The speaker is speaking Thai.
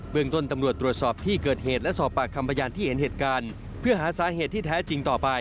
เมืองต้นตำรวจตรวจสอบที่เกิดเหตุและสอบปากคำพยานที่เห็นเหตุการณ์เพื่อหาสาเหตุที่แท้จริงต่อไป